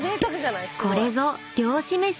［これぞ漁師メシ！］